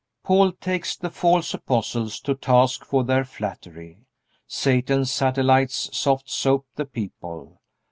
Paul takes the false apostles to task for their flattery. Satan's satellites softsoap the people.